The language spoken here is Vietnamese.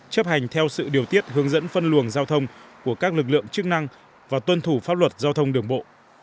chấp hành theo sự điều tiết hướng dẫn phân luồng giao thông của các lực lượng chức năng và tuân thủ pháp luật giao thông đường bộ